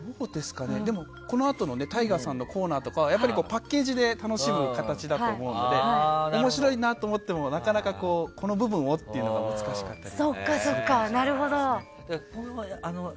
このあとのＴＡＩＧＡさんのコーナーとかはやっぱりパッケージで楽しむ形だと思うので面白いなと思ってもなかなかこの部分をっていうのは難しかったりするかもしれないですね。